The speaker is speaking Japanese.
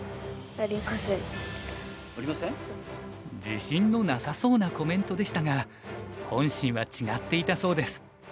自信のなさそうなコメントでしたが本心は違っていたそうです。